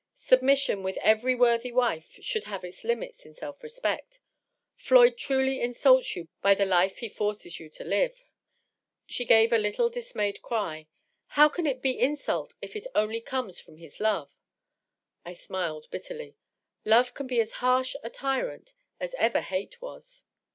Submission with every worthy wife should have its limits in self respect. Floyd truly insults you by the life he forces you toUve.'' She gave a little dismayed cry. "How can it be insult if it only comes from his love 7*^ I smiled bitterly. '^ Love can be as harsh a tyrant as ever hate was."